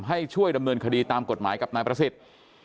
ให้ช่วยดำเนินคดีตามกฎหมายกับนายประสิทธิ์